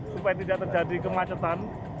supaya tidak terjadi kemacetan